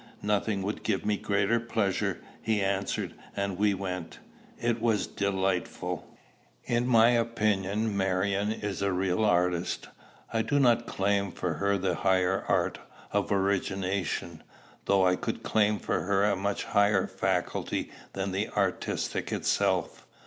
"Nothing would give me greater pleasure," he answered; and we went. It was delightful. In my opinion Marion is a real artist. I do not claim for her the higher art of origination, though I could claim for her a much higher faculty than the artistic itself.